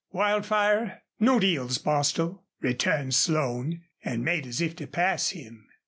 "Wildfire! ... No deals, Bostil," returned Slone, and made as if to pass him.